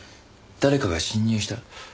誰かが侵入した？